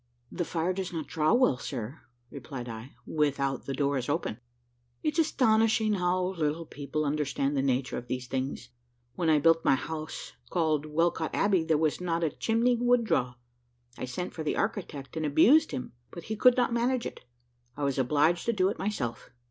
"The fire does not draw well, sir," replied I, "without the door is open." "It's astonishing how little people understand the nature of these things. When I built my house called Welcot Abbey, there was not a chimney would draw; I sent for the architect and abused him, but he could not manage it; I was obliged to do it myself."